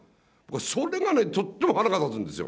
それがね、とっても腹が立つんですよ。